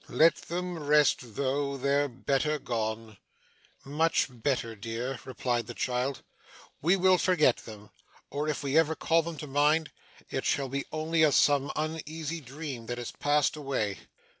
Let them rest though; they're better gone.' 'Much better, dear,' replied the child. 'We will forget them; or, if we ever call them to mind, it shall be only as some uneasy dream that has passed away.